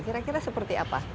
kira kira seperti apa